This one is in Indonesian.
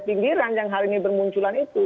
pinggiran yang hari ini bermunculan itu